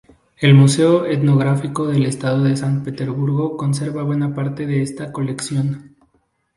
El Museo etnográfico del Estado en San Petersburgo conserva buena parte de esta colección.